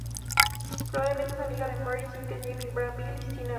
Probablemente es amiga de Marnie y Cynthia, Jimmy, Gran Bill y Cyrano.